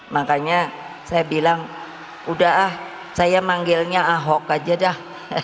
makanya saya bilang udah ah saya manggilnya ahok aja dah